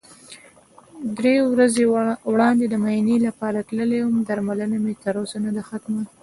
درې ورځې وړاندې د معاینې لپاره تللی وم، درملنه مې تر اوسه نده ختمه.